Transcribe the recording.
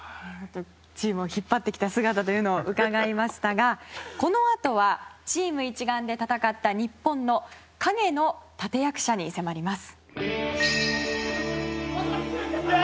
チームを引っ張ってきた姿というのを伺いましたがこのあとはチーム一丸で戦った日本の影の立役者に迫ります。